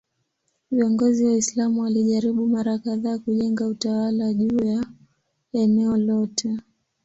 Viongozi Waislamu walijaribu mara kadhaa kujenga utawala juu ya eneo lote.